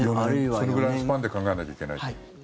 そのぐらいのスパンで考えなきゃいけない。